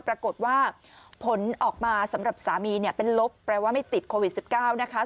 ปรากฏว่าผลออกมาสำหรับสามีเนี่ยเป็นลบแปลว่าไม่ติดโควิด๑๙นะคะ